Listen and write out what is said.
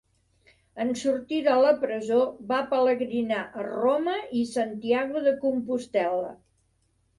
En sortir de la presó va pelegrinar a Roma i Santiago de Compostel·la.